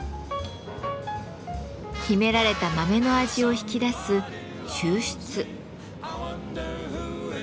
秘められた豆の味を引き出す「抽出」。